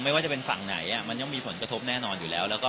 ไม่ว่าจะเป็นฝั่งไหนมันยังมีผลกระทบแน่นอนอยู่แล้ว